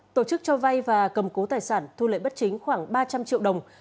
tổ chức cho vay và cầm cố tài sản thu lệ bất chính khoảng ba trăm linh triệu đồng